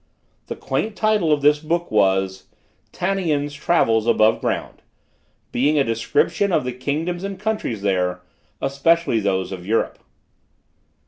The quaint title of this book was: "Tanian's Travels Above ground; being a description of the kingdoms and countries there, especially those of Europe."